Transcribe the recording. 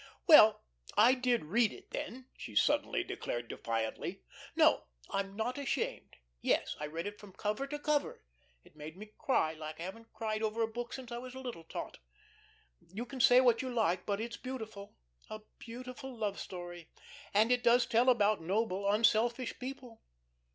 "Well, I did read it then," she suddenly declared defiantly. "No, I'm not ashamed. Yes, I read it from cover to cover. It made me cry like I haven't cried over a book since I was a little tot. You can say what you like, but it's beautiful a beautiful love story and it does tell about noble, unselfish people.